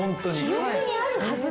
記憶にあるはずがない。